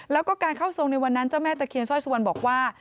แล้วก็การเข้าทรงในวันนั้นเจ้าแม่ตะเคียนสร้อยสุวรรณบอกว่า